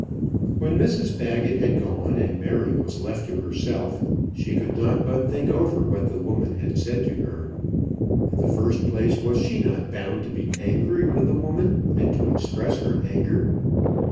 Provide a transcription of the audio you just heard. When Mrs Baggett had gone and Mary was left to herself, she could not but think over what the woman had said to her. In the first place, was she not bound to be angry with the woman, and to express her anger?